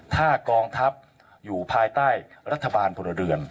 ถ้ากองทัพอยู่ภายใต้รัฐบาลพลเรือน